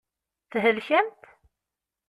Thelkemt?